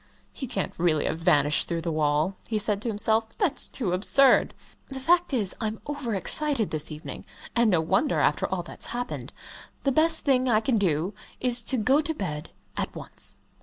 "He can't really have vanished through the wall," he said to himself. "That's too absurd. The fact is, I'm over excited this evening and no wonder, after all that's happened. The best thing I can do is to go to bed at once."